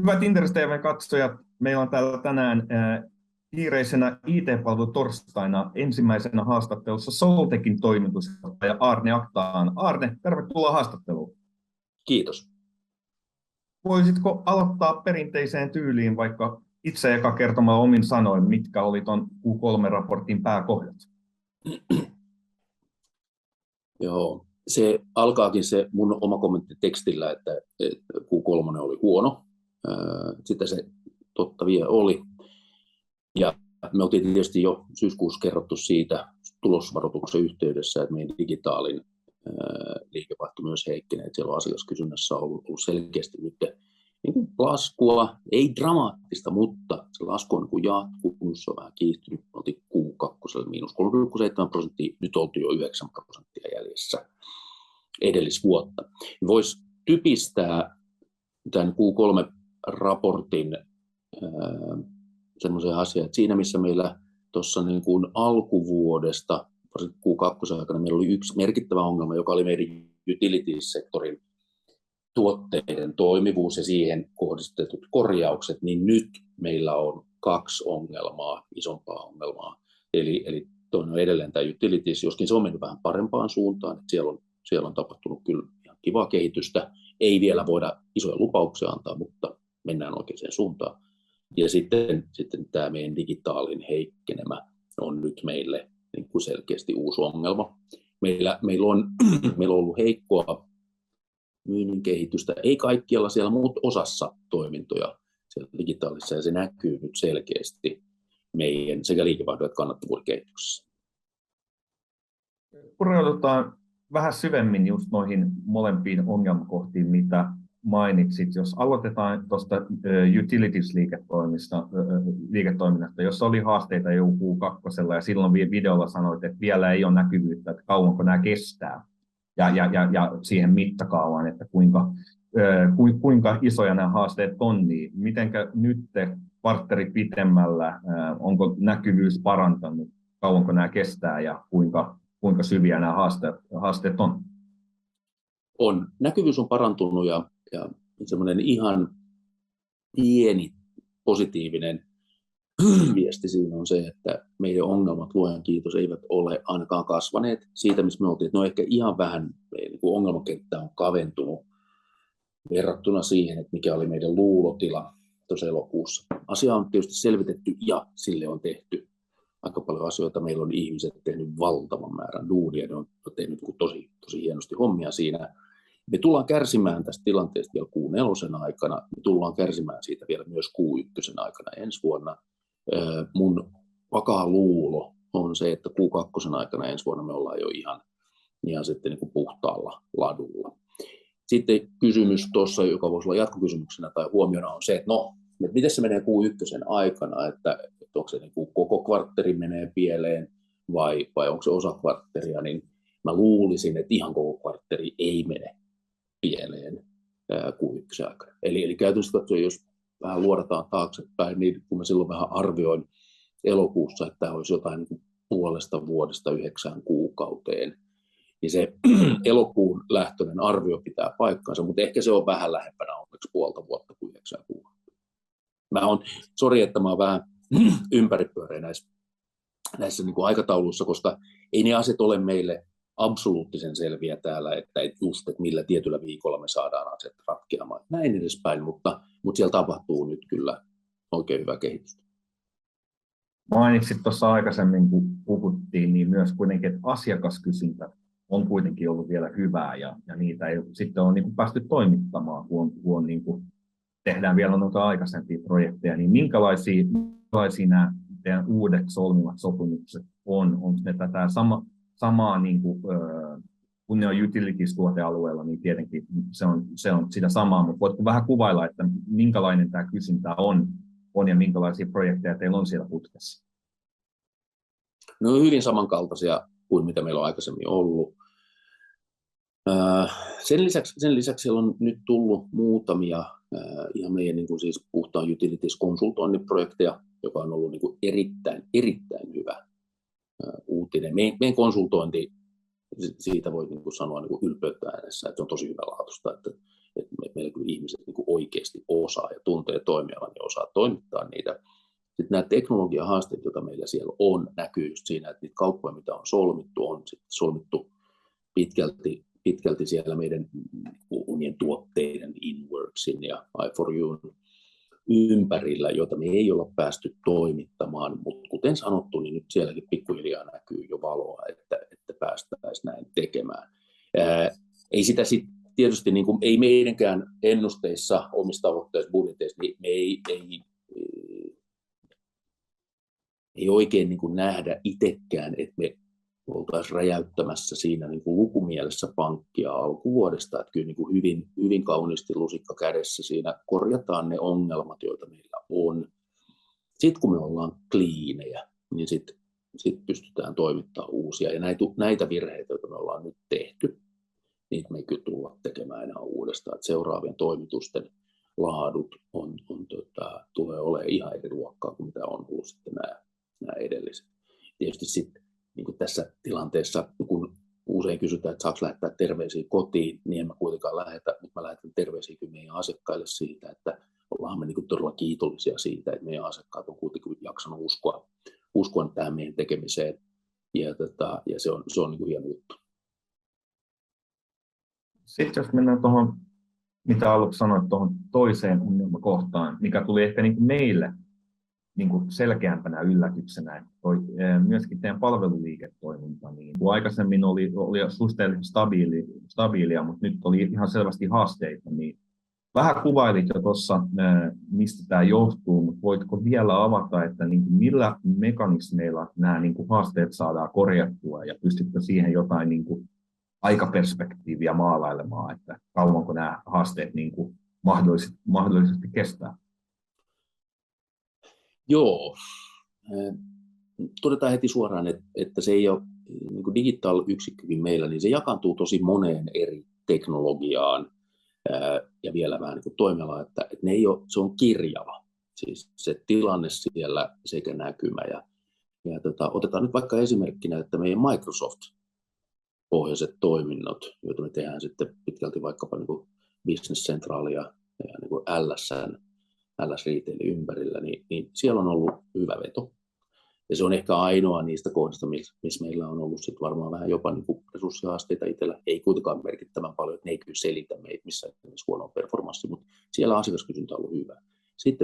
Hyvät Inderes TV:n katsojat. Meillä on täällä tänään kiireisenä IT-palvelutorstaina ensimmäisenä haastattelussa Solteqin toimitusjohtaja Aarne Aktan. Aarne, tervetuloa haastatteluun! Kiitos! Voisitko aloittaa perinteiseen tyyliin vaikka itse eka kertomalla omin sanoin mitkä oli tuon Q3 raportin pääkohdat? Se alkaakin se mun oma kommentti tekstillä, että Q3 oli huono. Sitä se totta vie oli. Me oltiin tietysti jo syyskuussa kerrottu siitä tulosvaroituksen yhteydessä, että meidän digitaalinen liiketoiminta myös heikkenee. Siellä on asiakaskysynnässä ollut selkeästi nyt laskua. Ei dramaattista, mutta se lasku on jatkunut. Se on vähän kiihtynyt. Oltiin Q2 -37%. Nyt oltiin jo 9% jäljessä edellisvuotta. Voisi typistää tämän Q3 raportin semmoiseen asiaan, että siinä missä meillä tuossa alkuvuodesta varsinkin Q2 aikana meillä oli yksi merkittävä ongelma, joka oli meidän Utilities sektorin tuotteiden toimivuus ja siihen kohdistetut korjaukset, niin nyt meillä on kaksi ongelmaa, isompaa ongelmaa. Eli tuo on edelleen tämä Utilities. Joskin se on mennyt vähän parempaan suuntaan, että siellä on tapahtunut kyllä ihan kivaa kehitystä. Ei vielä voida isoja lupauksia antaa, mutta mennään oikeaan suuntaan. Sitten tämä meidän digitaalinen heikkenemä on nyt meille selkeästi uusi ongelma. Meillä on ollut heikkoa myynnin kehitystä. Ei kaikkialla siellä, mutta osassa toimintoja siellä digitaalisessa ja se näkyy nyt selkeästi meidän sekä liikevaihdon että kannattavuuden kehityksessä. Pureudutaan vähän syvemmin just noihin molempiin ongelmakohtiin mitä mainitsit. Jos aloitetaan tuosta Utilities-liiketoiminnasta, jossa oli haasteita jo Q2:lla ja silloin vielä videolla sanoit, että vielä ei ole näkyvyyttä, että kauanko nämä kestää ja siihen mittakaavaan, että kuinka isoja nämä haasteet on, niin mitenkä nyt kvartteli pitemmällä? Onko näkyvyys parantanut? Kauanko nämä kestää ja kuinka syviä nämä haasteet on? On näkyvyys on parantunut ja sellainen ihan pieni positiivinen viesti siinä on se, että meidän ongelmat luojan kiitos eivät ole ainakaan kasvaneet siitä missä me oltiin. No, ehkä ihan vähän ongelmakenttä on kaventunut verrattuna siihen, mikä oli meidän luulotila tuossa elokuussa. Asiaa on tietysti selvitetty ja sille on tehty aika paljon asioita. Meillä on ihmiset tehneet valtavan määrän duunia. He ovat tehneet tosi hienosti hommia siinä. Me tullaan kärsimään tästä tilanteesta vielä Q4 aikana. Me tullaan kärsimään siitä vielä myös Q1 aikana ensi vuonna. Mun vakaa luulo on se, että Q2 aikana ensi vuonna me ollaan jo ihan puhtaalla ladulla. Sitten kysymys tuossa, joka voisi olla jatkokysymyksenä tai huomiona on se, että no miten se menee Q1 aikana, että onko se niin kuin koko kvartteri menee pieleen vai onko se osa kvartteria, niin mä luulisin, että ihan koko kvartteri ei mene pieleen Q1 aikana. Käytännössä katsoen jos vähän katsotaan taaksepäin, niin kun mä silloin vähän arvioin elokuussa, että tämä olisi jotain puolesta vuodesta yhdeksään kuukauteen, niin se elokuun lähtöinen arvio pitää paikkansa, mutta ehkä se on vähän lähempänä onneksi puolta vuotta kuin yhdeksää kuukautta. Mä olen sorry, että mä olen vähän ympäripyöreä näissä aikatauluissa, koska ei ne asiat ole meille absoluuttisen selviä täällä, että just millä tietyllä viikolla me saadaan asiat ratkeamaan ja näin edespäin. Siellä tapahtuu nyt kyllä oikein hyvää kehitystä. Mainitsit tuossa aikaisemmin kun puhuttiin, niin myös kuitenkin, että asiakaskysyntä on kuitenkin ollut vielä hyvää ja niitä ei sitten ole päästy toimittamaan. Kun tehdään vielä noita aikaisempia projekteja, niin minkälaisia nämä teidän uudet solmitut sopimukset on? Onko ne tätä samaa kuin ne on Utilities tuotealueella niin tietenkin se on. Se on sitä samaa. Voitko vähän kuvailla, että minkälainen tämä kysyntä on ja minkälaisia projekteja teillä on siellä putkessa? Ne on hyvin samankaltaisia kuin mitä meillä on aikaisemmin ollut. Sen lisäksi siellä on nyt tullut muutamia. Ihan meidän siis puhtaan utilities konsultoinnin projekteja, joka on ollut erittäin hyvä uutinen. Meidän konsultointi. Siitä voi sanoa ylpeänä äänessä, että se on tosi hyvälaatuista, että meidän ihmiset oikeasti osaa ja tuntee toimialan ja osaa toimittaa niitä. Sitten nämä teknologiahaasteet, joita meillä siellä on, näkyy siinä, että niitä kauppoja mitä on solmittu, on solmittu pitkälti siellä meidän omien tuotteiden inWorksin ja i4U'n ympärillä, joita me ei olla päästy toimittamaan. Kuten sanottu, niin nyt sielläkin pikkuhiljaa näkyy jo valoa, että päästäisiin näin tekemään. Ei sitä sitten tietysti meidänkään ennusteissa omissa tavoitteissa budjeteissa me ei. Ei oikein nähdä itsekään, että me oltaisiin räjäyttämässä siinä lukumielessä pankkia alkuvuodesta, että kyllä hyvin kauniisti lusikka kädessä siinä korjataan ne ongelmat, joita meillä on. Kun me ollaan cleaneja, niin sitten pystytään toimittamaan uusia. Näitä virheitä, joita me ollaan nyt tehty, niitä me ei kyllä tulla tekemään uudestaan, et seuraavien toimitusten laadut on tota tulee oleen ihan eri luokkaa kuin mitä on ollut sitten nää edelliset. Tietysti sit niinku tässä tilanteessa kun usein kysytään, että saako lähettää terveisiä kotiin, niin en mä kuitenkaan lähetä. Mä lähetän terveisiä kyllä meidän asiakkaille siitä, että ollaanhan me niinku todella kiitollisia siitä, että meidän asiakkaat on kuitenkin jaksanut uskoa tähän meidän tekemiseen. Tota se on niinku hieno juttu. Jos mennään tuohon mitä aluksi sanoit tuohon toiseen ongelmakohtaan, mikä tuli ehkä niinku meille niinku selkeämpänä yllätyksenä toi myöskin teidän palveluliiketoiminta, niin kun aikaisemmin oli suhteellisen stabiilia, mutta nyt oli ihan selvästi haasteita. Vähän kuvailit jo tuossa, mistä tää johtuu, mutta voitko vielä avata, että niinku millä mekanismeilla nää niinku haasteet saadaan korjattua ja pystytkö siihen jotain niinku aikaperspektiiviä maalailemaan, että kauanko nää haasteet niinku mahdollisesti kestää? Joo. Todetaan heti suoraan, että se ei oo niinku digitaalinen yksikkö kuin meillä, niin se jakaantuu tosi moneen eri teknologiaan ja vielä vähän niinku toimialoille, että ne ei oo se on kirjava. Se tilanne siellä sekä näkymä. Otetaan nyt vaikka esimerkkinä, että meidän Microsoft-pohjaiset toiminnot, joita me tehdään sitten pitkälti vaikkapa niinku Business Centralia ja LS:n LS-liitteiden ympärillä, niin siellä on ollut hyvä veto ja se on ehkä ainoa niistä kohdista missä meillä on ollut sitten varmaan vähän jopa niinku resurssihaasteita itsellä. Ei kuitenkaan merkittävän paljon, että ne kyllä selitä missään nimessä huonoa performanssia, mutta siellä asiakaskysyntä on ollut hyvää.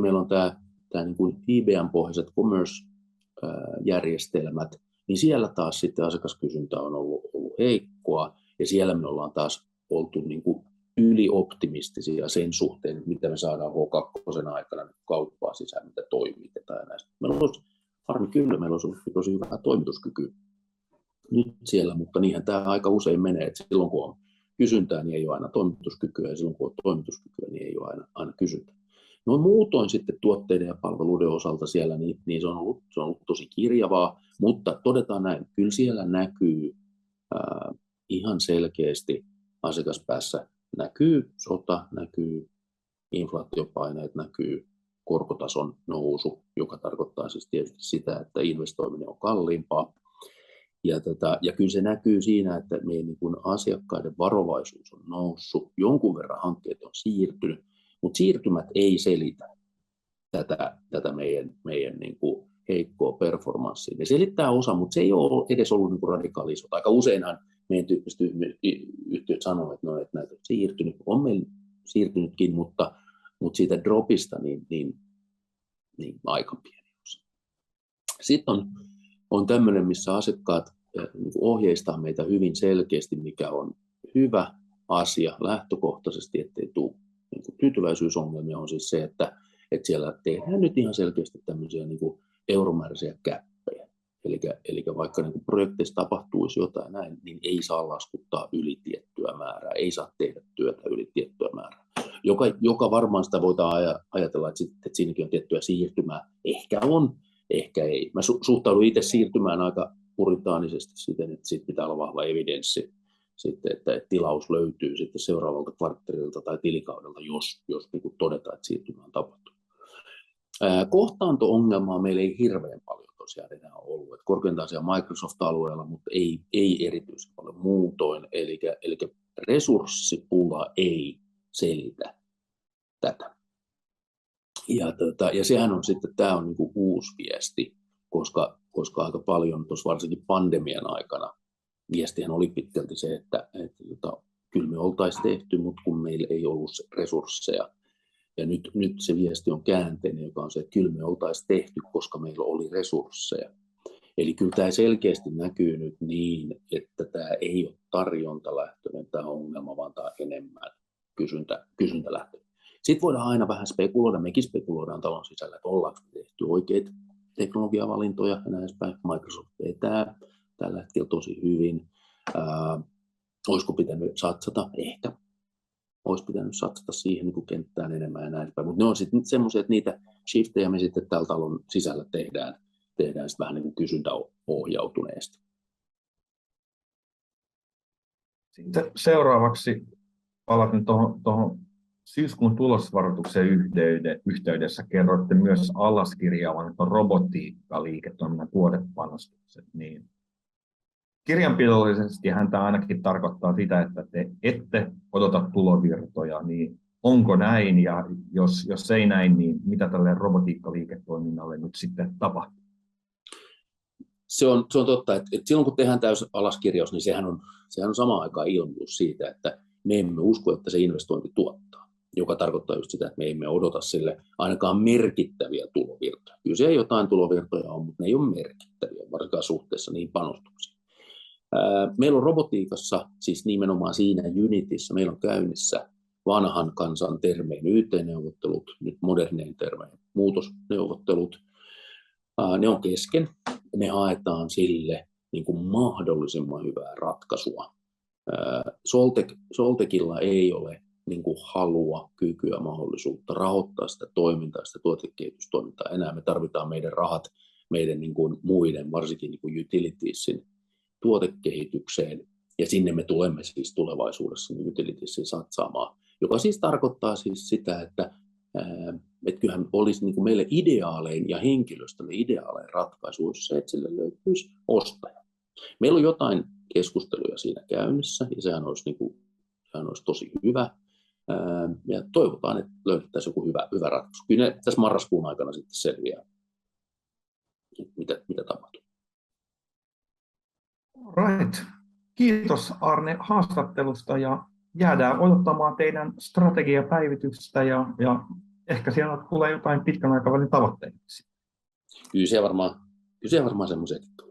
Meillä on tää niinku IBM-pohjaiset commerce-järjestelmät, niin siellä taas sitten asiakaskysyntä on ollut heikkoa ja siellä me ollaan taas oltu niinku ylioptimistisia sen suhteen, mitä me saadaan H2:n aikana kauppaa sisään. Mitä toimii tai näistä meillä olisi harmi kyllä. Meillä olisi tosi hyvä toimituskyky nyt siellä, mutta niinhän tää aika usein menee, että silloin kun on kysyntää niin ei ole aina toimituskykyä ja silloin kun on toimituskykyä, niin ei ole aina kysyntää. Noin muutoin sitten tuotteiden ja palveluiden osalta siellä niin se on ollut. Se on ollut tosi kirjavaa, mutta todetaan näin. Kyllä siellä näkyy ihan selkeästi asiakaspäässä näkyy sota, näkyy inflaatiopaineet, näkyy korkotason nousu, joka tarkoittaa siis tietysti sitä, että investoiminen on kalliimpaa. Kyllä se näkyy siinä, että meidän niinkun asiakkaiden varovaisuus on noussut. Jonkun verran hankkeet on siirtynyt, mutta siirtymät ei selitä tätä meidän niinku heikkoa performanssia. Ne selittää osa, mutta se ei ole edes ollut niinku radikaalisia. Aika useinhan meidän tyyppiset yhtiöt sanoo, että no näitä on siirtynyt. On meillä siirtynytkin, mutta siitä dropista niin aika pieni osa. On tällainen, missä asiakkaat niinku ohjeistavat meitä hyvin selkeästi, mikä on hyvä asia lähtökohtaisesti, ettei tule niinku tyytyväisyysongelmia. On siis se, että että siellä tehdään nyt ihan selkeästi tällaisia niinku euromääräisiä gap:eja. Elikkä vaikka niinku projekteissa tapahtuisi jotain näin, niin ei saa laskuttaa yli tiettyä määrää. Ei saa tehdä työtä yli tiettyä määrää, joka varmaan sitä voidaan ajatella, että siinäkin on tiettyä siirtymää. Ehkä on, ehkä ei. Mä suhtaudun itse siirtymään aika puritaaniseti siten, että siitä pitää olla vahva evidenssi sitten, että tilaus löytyy sitten seuraavalta kvartaalilta tai tilikaudelta. Jos niinku todetaan, että siirtymää on tapahtunut. Kohtaanto-ongelmaa meillä ei hirveän paljon tosiaan enää ollut, että korkeintaan siellä Microsoft-alueella, mutta ei erityisen paljon muutoin. Elikkä resurssipula ei selitä tätä. Sehän on sitten tää on niinku uusi viesti, koska aika paljon tuossa varsinkin pandemian aikana viestihän oli pitkälti se, että kyllä me oltaisiin tehty, mutta kun meillä ei ollut resursseja. Nyt se viesti on kääntöinen, joka on se, että kyllä me oltaisiin tehty, koska meillä oli resursseja. Eli kyllä tää selkeästi näkyy nyt niin, että tää ei ole tarjontalähtöinen tää ongelma, vaan tää on enemmän kysyntälähtöinen. Voidaan aina vähän spekuloida. Mekin spekuloidaan talon sisällä, että ollaanko me tehty oikeita teknologiavalintoja ja näin pois päin. Microsoft vetää tällä hetkellä tosi hyvin. Oisiko pitänyt satsata? Ehkä ois pitänyt satsata siihen kenttään enemmän ja näin päin. Ne on sitten sellaisia, että niitä shiftejä me sitten täällä talon sisällä tehdään sit vähän niinkuin kysynnän ohjautuneesti. Seuraavaksi palaten tuohon syyskuun tulosvaroituksen yhteydessä kerroitte myös alaskirjaavanne robotiikkaliiketoiminnan tuotepanostukset, niin kirjanpidollisestihan tää ainakin tarkoittaa sitä, että te ette odota tulovirtoja. Onko näin? Jos ei näin, niin mitä tälle robotiikkaliiketoiminnalle nyt sitten tapahtuu? Se on totta, että silloin kun tehdään täysi alaskirjaus, niin sehän on samaan aikaan ilmianto siitä, että me emme usko, että se investointi tuottaa. Joka tarkoittaa just sitä, että me emme odota sille ainakaan merkittäviä tulovirtoja. Kyllä siellä jotain tulovirtoja on, mutta ne ei ole merkittäviä varsinkaan suhteessa niihin panostuksiin. Meillä on robotiikassa, siis nimenomaan siinä Unitissa meillä on käynnissä vanhan kansan termein YT-neuvottelut. Nyt modernein termein muutosneuvottelut. Ne on kesken. Me haetaan sille niinku mahdollisimman hyvää ratkaisua. Solteq, Solteqilla ei ole niinku halua, kykyä, mahdollisuutta rahoittaa sitä toimintaa, sitä tuotekehitystoimintaa enää. Me tarvitaan meidän rahat meidän niinkun muiden, varsinkin Utilitiesin tuotekehitykseen ja sinne me tulemme siis tulevaisuudessa niihin Utilitiesiin satsaamaan. Joka tarkoittaa sitä, että kyllähän olisi meille ideaalein ja henkilöstölle ideaalein ratkaisu olisi se, että sille löytyisi ostaja. Meillä on jotain keskusteluja siinä käynnissä ja sehän olisi niinku tosi hyvä ja toivotaan, että löydettäisiin joku hyvä ratkaisu. Kyllä ne tässä marraskuun aikana sitten selviää, että mitä tapahtuu. All right. Kiitos Aarne haastattelusta ja jäädään odottamaan teidän strategiapäivitystä ja ehkä siellä tulee jotain pitkän aikavälin tavoitteitakin sitten. Kyllä siellä varmaan. Kyllä siellä varmaan semmoisiakin tulee.